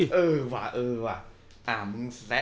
เออว่าเออว่าอ่ามึงแซะ